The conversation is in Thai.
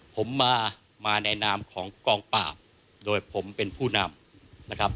ผมมามาในนามของกองปราบโดยผมเป็นผู้นำนะครับ